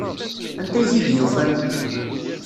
Anta ay t-id-yufan?